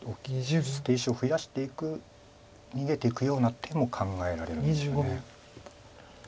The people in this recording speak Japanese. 捨て石を増やしていく逃げていくような手も考えられるんですよね。